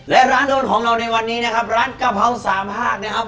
และร้านโดนของเราในวันนี้นะครับร้านกะเพราสามห้านะครับ